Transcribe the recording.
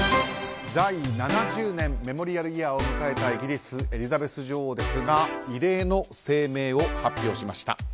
在位７０年メモリアルイヤーを迎えたイギリスのエリザベス女王ですが異例の声明を発表しました。